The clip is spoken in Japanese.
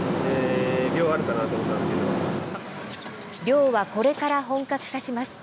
漁は、これから本格化します。